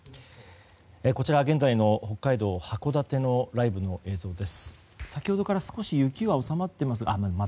こちら、現在の北海道函館のライブの映像です。